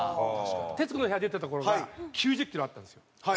『徹子の部屋』出てた頃が９０キロあったんですよ。